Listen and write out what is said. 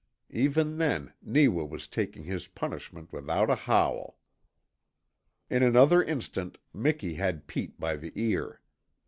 Even then Neewa was taking his punishment without a howl. In another instant Miki had Pete by the ear.